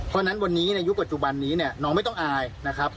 เพราะกันนี้ในยุคปัจจุบันนี้น้องไม่ต้องอายนะครับ